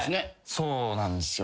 そうなんすよ。